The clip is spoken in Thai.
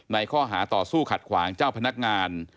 ข้อหาต่อสู้ขัดขวางเจ้าพนักงาน